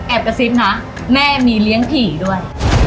กระซิบนะแม่มีเลี้ยงผีด้วย